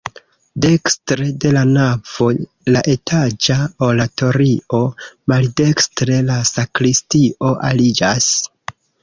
Dekstre de la navo la etaĝa oratorio, maldekstre la sakristio aliĝas.